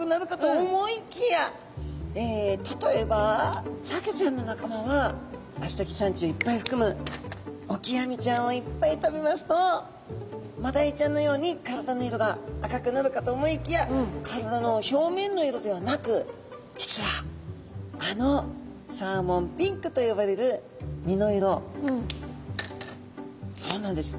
例えばサケちゃんの仲間はアスタキサンチンをいっぱいふくむオキアミちゃんをいっぱい食べますとマダイちゃんのように体の色が赤くなるかと思いきや体の表面の色ではなく実はあのサーモンピンクと呼ばれる身の色そうなんです